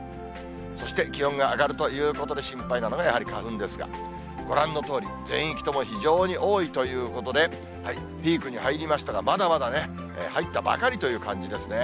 そして、気温が上がるということで心配なのがやはり花粉ですが、ご覧のとおり、全域とも非常に多いということで、ピークに入りましたが、まだまだ、入ったばかりという感じですね。